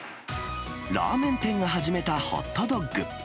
ラーメン店が始めたホットドッグ。